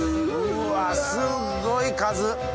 うわすっごい数！